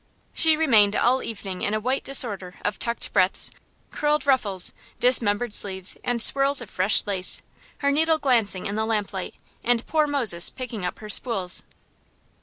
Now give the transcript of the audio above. She remained all evening in a white disorder of tucked breadths, curled ruffles, dismembered sleeves, and swirls of fresh lace; her needle glancing in the lamplight, and poor Moses picking up her spools.